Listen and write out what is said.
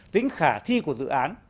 tính khả thi của dự án